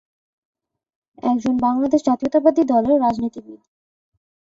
একজন বাংলাদেশ জাতীয়তাবাদী দলের রাজনীতিবিদ।